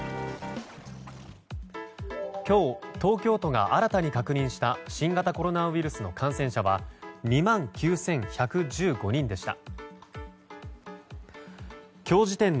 今日、東京都が新たに確認した新型コロナウイルスの感染者は２万９１１５人でした。